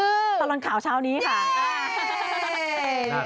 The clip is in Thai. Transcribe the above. คือตอนร้านข่าวเช้านี้ค่ะ